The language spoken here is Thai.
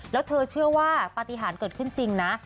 แล้วเธอเชื่อว่าปฏิหารเกิดขึ้นจริงนะ